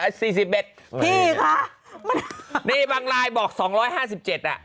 สี่สิบเอ็ดพี่คะนี่บางรายบอกสองร้อยห้าสิบเจ็ดอ่ะ